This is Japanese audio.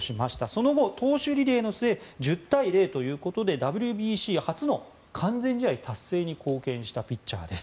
その後、投手リレーの末１０対０ということでＷＢＣ初の完全試合達成に貢献したピッチャーです。